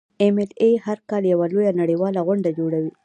ایم ایل اې هر کال یوه لویه نړیواله غونډه جوړوي.